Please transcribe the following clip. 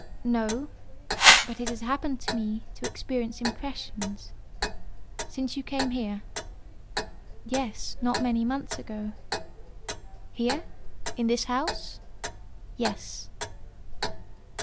"No: but it has happened to me to experience impressions—" "Since you came here?" "Yes; not many months ago." "Here?—in this house?" "Yes."